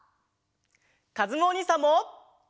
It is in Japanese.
かずむおにいさんも！